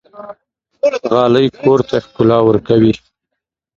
غالۍ کور ته ښکلا ورکوي.